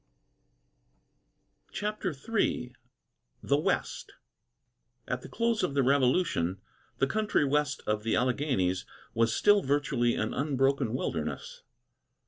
CHAPTER III THE WEST At the close of the Revolution, the country west of the Alleghanies was still virtually an unbroken wilderness.